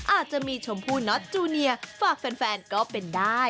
อาจจะมีชมพู่น็อตจูเนียฝากแฟนก็เป็นได้